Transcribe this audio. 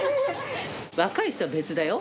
若い人は別だよ。